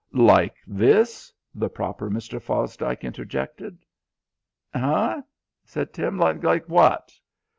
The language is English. "Like this?" The proper Mr. Fosdike interjected. "Eh?" said Tim. "Like what?"